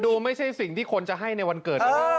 ดูไม่ใช่สิ่งที่คนจะให้ในวันเกิดนะ